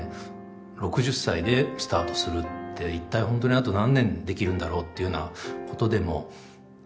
６０歳でスタートするって一体本当にあと何年できるんだろうっていうようなことでもあったので。